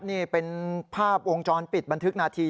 นี่เป็นภาพวงจรปิดบันทึกนาที